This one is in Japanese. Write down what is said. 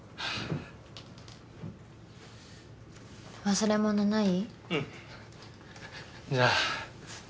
忘れ物ない？